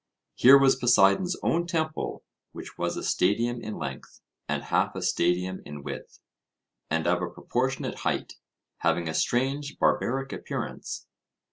Here was Poseidon's own temple which was a stadium in length, and half a stadium in width, and of a proportionate height, having a strange barbaric appearance.